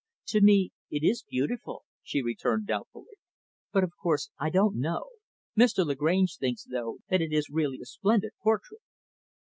"To me, it is beautiful," she returned doubtfully. "But, of course, I don't know. Mr. Lagrange thinks, though, that it is really a splendid portrait."